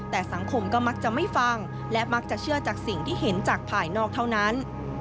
แต่สังคมก็มักจะไม่ฟังและมักจะเชื่อจากสิ่งที่เห็นจากภายนอกเท่านั้น